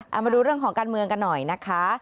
เอามาดูเรื่องของการเมืองกันหน่อยนะคะ